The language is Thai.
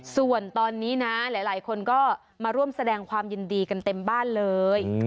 ส่วนตอนนี้นะหลายคนก็มาร่วมแสดงความยินดีกันเต็มบ้านเลย